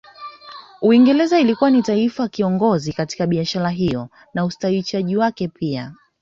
Uingereza ilikuwa ni taifa kiongozi katika biashara hiyo na usitishwaji wake pia